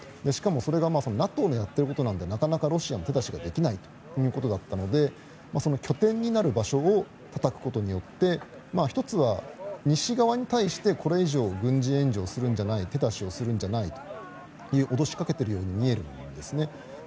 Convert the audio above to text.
しかも、それがＮＡＴＯのやっていることなのでなかなかロシアも手出しができないということだったのでその拠点になる場所をたたくことによって１つは西側に対してこれ以上軍事援助するんじゃない手出しをするんじゃないと脅しかけているように見えるんですね。